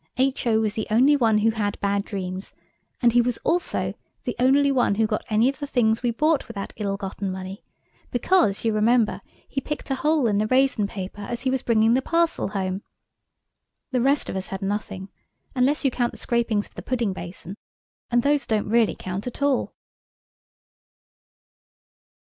H.O. was the only one who had bad dreams, and he was also the only one who got any of the things we bought with that ill gotten money, because, you remember, he picked a hole in the raisin paper as he was bringing the parcel home. The rest of us had nothing, unless you count the scrapings of the pudding basin, and those don't really count at all.